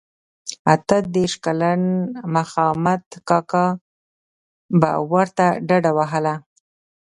اته دیرش کلن مخامد کاکا به ورته ډډه وهله.